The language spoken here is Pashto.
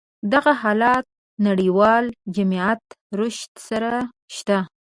دغه حالت نړيوال جميعت رشد سره شته.